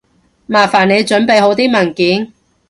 麻煩你準備好啲文件